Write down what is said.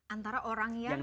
antara orang yang